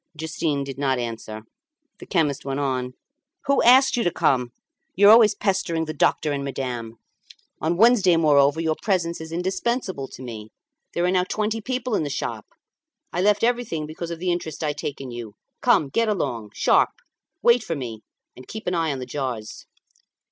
Justin did not answer. The chemist went on "Who asked you to come? You are always pestering the doctor and madame. On Wednesday, moreover, your presence is indispensable to me. There are now twenty people in the shop. I left everything because of the interest I take in you. Come, get along! Sharp! Wait for me, and keep an eye on the jars."